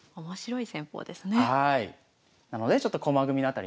面白い戦法ですね。